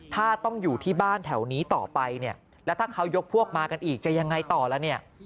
ถ้าต้องอยู่ที่บ้านแถวนี้ต่อไปเนี่ยแล้วถ้าเขายกพวกมากันอีกจะยังไงต่อแล้วเนี่ย